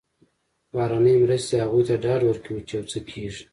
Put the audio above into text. بهرنۍ مرستې هغوی ته ډاډ ورکوي چې یو څه کېږي.